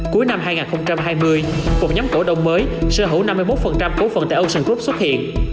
cuối năm hai nghìn hai mươi một nhóm cổ đông mới sở hữu năm mươi một cổ phần tại ocean croup xuất hiện